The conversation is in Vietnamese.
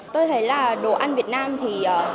tôi thấy là đồ ăn việt nam thì